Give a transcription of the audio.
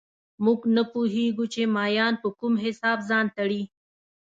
موږ نه پوهېږو چې مایان په کوم حساب ځان تړي